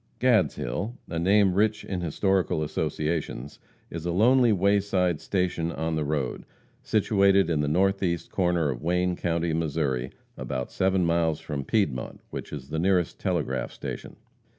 Gadshill, a name rich in historical associations, is a lonely wayside station on the road, situated in the northeast corner of Wayne county, Missouri, about seven miles from Piedmont, which is the nearest telegraph station.